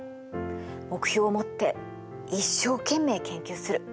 目標を持って一生懸命研究する。